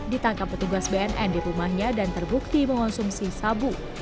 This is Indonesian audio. ditangkap petugas bnn di rumahnya dan terbukti mengonsumsi sabu